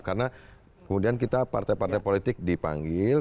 karena kemudian kita partai partai politik dipanggil